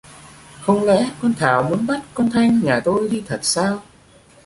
Không lẽ con thảo muốn bắt con thanh nhà tôi đi thật sao